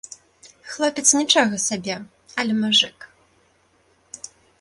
Хлопец нічога сабе, але мужык.